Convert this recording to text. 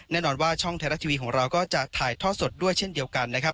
แน่นอนว่าช่องไทยรัฐทีวีของเราก็จะถ่ายท่อสดด้วยเช่นเดียวกันนะครับ